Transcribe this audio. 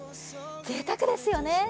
ぜいたくですよね。